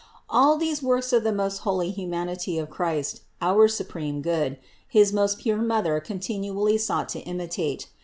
579. All these works of the most holy humanity of Christ, our supreme Good, his most pure Mother con tinually sought to imitate.